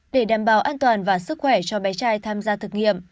để đảm bảo an toàn và sức khỏe cho bé trai tham gia thực nghiệm